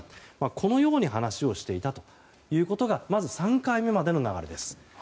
このように話をしていたということがまず３回目までの流れです。